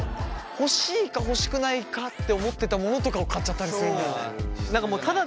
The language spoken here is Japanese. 欲しいか欲しくないかって思ってたものとかを買っちゃったりするんだよね。